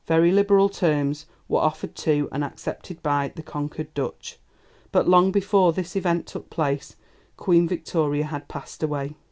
Very liberal terms were offered to and accepted by the conquered Dutch. But long before this event took place Queen Victoria had passed away.